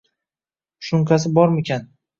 Shunqasi bormikin?